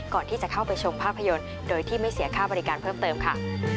ก่อนที่จะเข้าไปชมภาพยนตร์โดยที่ไม่เสียค่าบริการเพิ่มเติมค่ะ